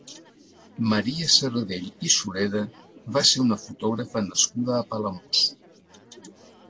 Maria Serradell i Sureda va ser una fotògrafa nascuda a Palamós.